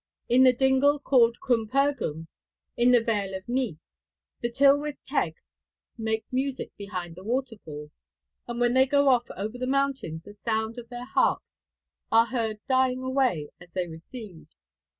In the dingle called Cwm Pergwm, in the Vale of Neath, the Tylwyth Teg make music behind the waterfall, and when they go off over the mountains the sounds of their harps are heard dying away as they recede.